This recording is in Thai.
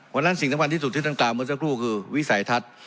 สิ่งสำคัญที่สุดที่ท่านกล่าวเมื่อสักครู่คือวิสัยทัศน์